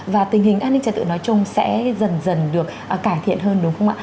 và tình hình an ninh trả tự nói chung sẽ dần dần được cải thiện hơn đúng không ạ